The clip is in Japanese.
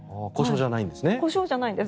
故障じゃないんです。